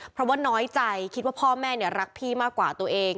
เพราะว่าน้อยใจคิดว่าพ่อแม่รักพี่มากกว่าตัวเอง